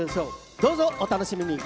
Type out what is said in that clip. どうぞお楽しみに！